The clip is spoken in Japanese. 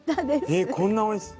えっこんなおいしい。